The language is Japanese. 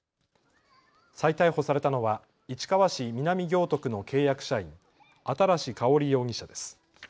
再逮捕されたのは市川市南行徳の契約社員、新かほり容疑者です。